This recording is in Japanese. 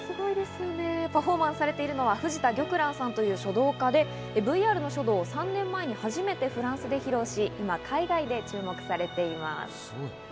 パフォーマンスされているのは藤田玉蘭さんという書道家でＶＲの書道を３年前に初めてフランスで披露し今、海外で注目されています。